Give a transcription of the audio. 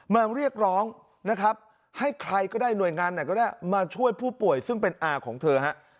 มาเรียกร้องนะครับให้ใครก็ได้หน่วยงานไหนก็ได้มาช่วยผู้ป่วยซึ่งเป็นอาของเธอฮะ